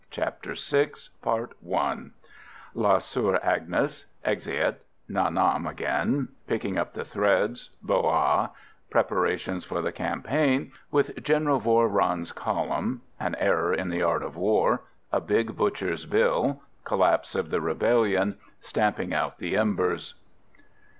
CHAPTER VI La Soeur Agnes Exeat Nha Nam again Picking up the threads Bo ha Preparations for the campaign With General Voyron's column An error in the art of war A big butcher's bill Collapse of the rebellion Stamping out the embers.